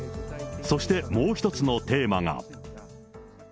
そしてもう一つのテーマが。